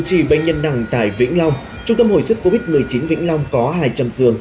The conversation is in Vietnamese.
trị bệnh nhân nặng tại vĩnh long trung tâm hồi suất covid một mươi chín vĩnh long có hai trăm linh giường